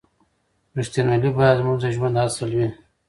رښتینولي باید زموږ د ژوند اصل وي.